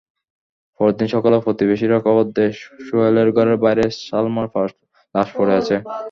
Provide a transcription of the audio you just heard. পরদিন সকালে প্রতিবেশীরা খবর দেয়, সোহেলের ঘরের বাইরে সালমার লাশ পড়ে আছে।